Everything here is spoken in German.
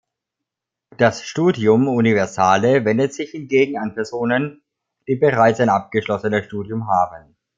Das „studium universale“ wendet sich hingegen an Personen, die bereits ein abgeschlossenes Studium haben.